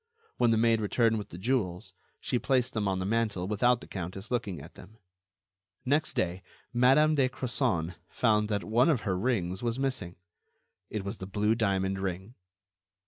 When the maid returned with the jewels, she placed them on the mantel without the countess looking at them. Next day, Madame de Crozon found that one of her rings was missing; it was the blue diamond ring.